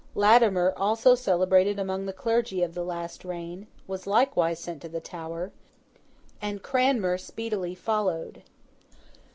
Latimer, also celebrated among the Clergy of the last reign, was likewise sent to the Tower, and Cranmer speedily followed.